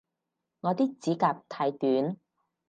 我啲指甲太短